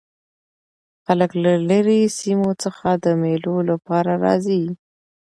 خلک له ليري سیمو څخه د مېلو له پاره راځي.